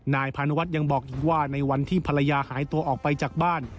นายพานุวัฒน์ยังบอกอีกว่าในวันที่ภรรยาหายตัวออกไปจากบ้าน